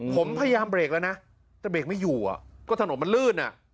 ผมพยายามเบรกแล้วนะแต่เบรกไม่อยู่อ่ะก็ถนนมันลื่นอ่ะ